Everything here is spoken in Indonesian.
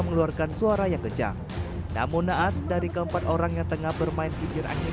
mengeluarkan suara yang kejang namun naas dari keempat orang yang tengah bermain kincir angin